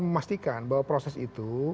memastikan bahwa proses itu